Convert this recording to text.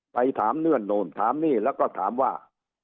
ไปถามเนื่อนโน่นถามนี่แล้วก็ถามว่า